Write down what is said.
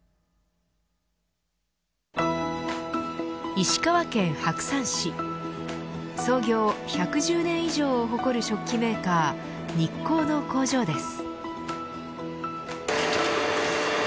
石川県白山市創業１１０年以上を誇る食器メーカーニッコーの工場です。